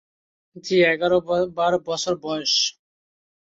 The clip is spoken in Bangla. জ্বি, এগার-বার বছর বয়স।